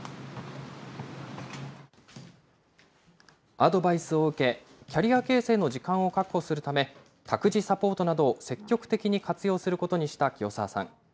アドバイスを受け、キャリア形成の時間を確保するため、託児サポートなどを積極的に活用することにした清澤さん。